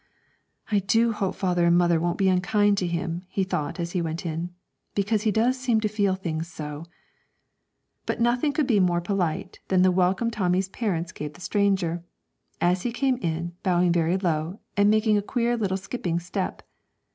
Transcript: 'I do hope father and mother won't be unkind to him,' he thought, as he went in, 'because he does seem to feel things so.' But nothing could be more polite than the welcome Tommy's parents gave the stranger, as he came in, bowing very low, and making a queer little skipping step.